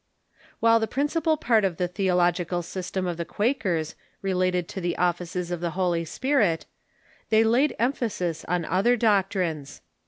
AVhile the principal part of the theological system of the Quakers related to the offices of the Holy Si>irit, they laid 300 THE MODERN CHURCH emphasis on other doctrines.